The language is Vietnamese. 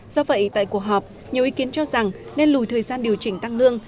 do vậy tại cuộc họp nhiều ý kiến cho rằng nên lùi thời gian điều chỉnh tăng lương